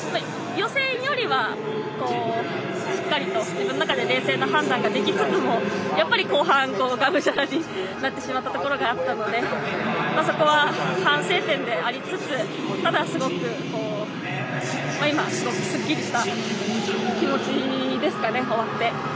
予選よりはしっかりと自分の中で冷静な判断ができつつもやっぱり後半がむしゃらになってしまったところがあったのでそこは反省点でありつつただ、すごく今は、すごくすっきりした気持ちですかね終わって。